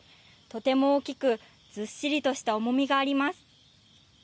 とても大きくずっしりとした重みがあります。